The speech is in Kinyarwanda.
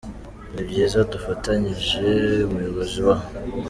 ni byiza dufatanyije Umuyobozi wa.